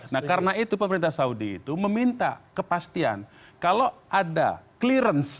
nah karena itu pemerintah saudi itu meminta kepastian kalau ada clearance